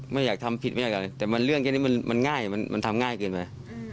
ไม่อยากทำผิดไม่ยากอะไรแต่มันเรื่องแค่นี้มันง่ายมันทำง่ายเกินไป